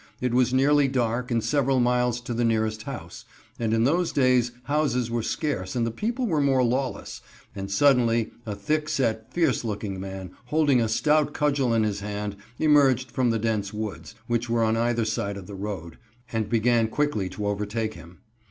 It was nearly dark and several miles to the nearest house, and in those days houses were scarce and the people were more lawless, and, suddenly, a thick set, fierce looking man, holding a stout cudgel in his hand, emerged from the dense woods, which were on either side of the road, and began quickly to overtake him.